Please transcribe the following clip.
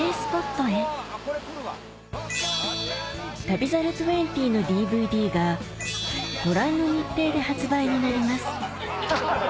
『旅猿２０』のＤＶＤがご覧の日程で発売になります